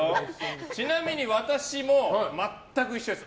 ちなみに私も全く一緒です。